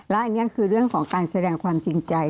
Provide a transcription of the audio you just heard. และอันนี้คือเรื่องของการแสดงความจริงใจ